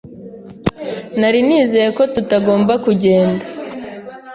Nari nizeye ko tutagomba kugenda.